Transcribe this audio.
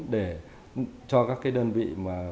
để cho các cái đơn vị mà